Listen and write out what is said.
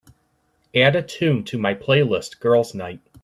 Add a tune to my playlist girls' night